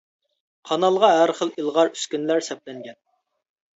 قانالغا ھەر خىل ئىلغار ئۈسكۈنىلەر سەپلەنگەن.